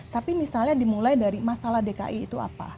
tapi misalnya dimulai dari masalah dki itu apa